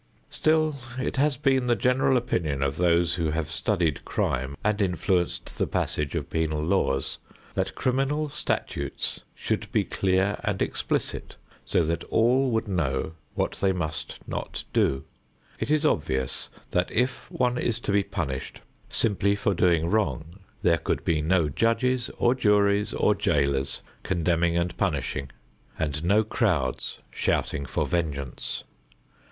Still it has been the general opinion of those who have studied crime and influenced the passage of penal laws, that criminal statutes should be clear and explicit so that all would know what they must not do. It is obvious that if one is to be punished simply for doing wrong, there could be no judges or juries or jailers condemning and punishing and no crowds shouting for vengeance.